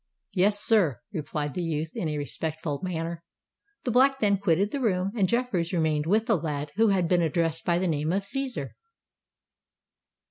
"Yes, sir," replied the youth, in a respectful manner. The Black then quitted the room; and Jeffreys remained with the lad who had been addressed by the name of Cæsar.